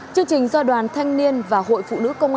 chương trình do đoàn thanh niên và hội phụ nữ công an tỉnh khánh hòa